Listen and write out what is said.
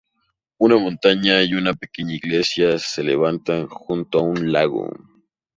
Una montaña y una pequeña iglesia se levantan junto a un lago.